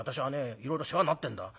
いろいろ世話になってんだ。